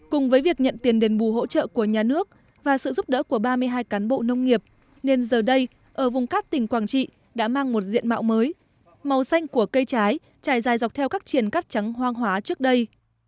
cùng với việc nhận tiền đền bù hỗ trợ của nhà nước và sự giúp đỡ của ba mươi hai cán bộ nông nghiệp nên giờ đây ở vùng cát tỉnh quảng trị đã mang một diện mạo mới màu xanh của cây trái trải dài dọc theo các triển cắt trắng hoang hóa trước đây